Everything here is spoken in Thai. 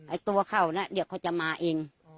ตัวเขาน่ะเดี๋ยวเขาจะมาเอง